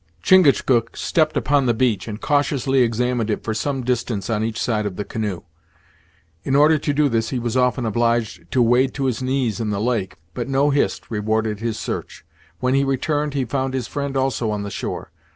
Chingachgook stepped upon the beach, and cautiously examined it for some distance on each side of the canoe. In order to do this, he was often obliged to wade to his knees in the lake, but no Hist rewarded his search. When he returned, he found his friend also on the shore.